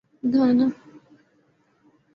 Ghana